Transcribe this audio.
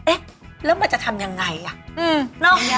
เอ๊ะแล้วมันจะทำยังไงอ่ะ